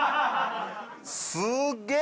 すげえ！